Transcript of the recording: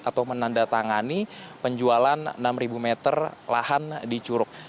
atau menandatangani penjualan enam meter lahan di curug